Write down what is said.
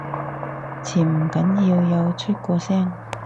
潛唔緊要，有出過聲